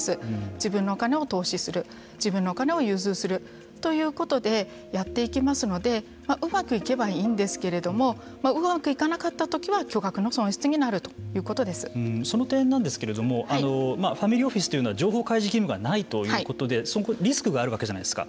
自分のお金を投資する自分のお金を融通する。ということでやっていきますのでうまくいけばいいんですけれどもうまくいかなかったときはその点なんですけれどもファミリーオフィスというのは情報開示義務がないということでそこにリスクがあるわけじゃないですか。